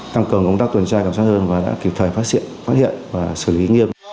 tăng cường công tác tuần trai cẩm sát hơn và đã kịp thời phát hiện và xử lý nghiêm